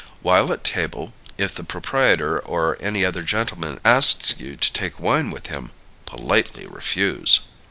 While at table, if the proprietor or any other gentleman asks you to take wine with him, politely refuse.